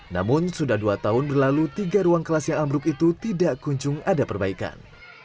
namun sudah dua tahun berlalu tiga ruang kelas yang ambruk itu tidak kunjung ada perbaikan